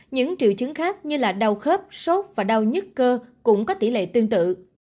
những triệu chứng khác như đau khớp sốt và đau nhất cơ cũng có tỷ lệ tương tự